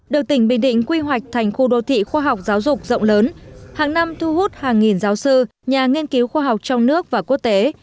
được tỉnh bình định quy hoạch thành khu đô thị khoa học giáo dục rộng lớn hàng năm thu hút hàng nghìn giáo sư nhà nghiên cứu khoa học trong nước và quốc tế